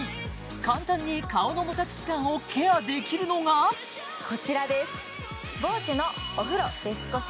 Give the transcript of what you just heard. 簡単に顔のもたつき感をケアできるのがこちらです